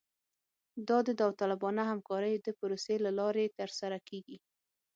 دا د داوطلبانه همکارۍ د پروسې له لارې ترسره کیږي